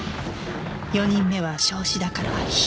４人目は焼死だから火。